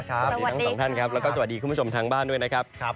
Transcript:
สวัสดีทั้งสองท่านครับแล้วก็สวัสดีคุณผู้ชมทางบ้านด้วยนะครับ